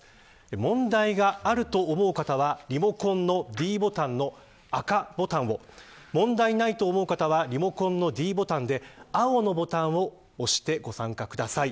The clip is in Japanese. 問題があると思う方はリモコンのｄボタンの赤ボタンを問題ないと思う方はリモコンのｄボタンで青のボタンを押してご参加ください。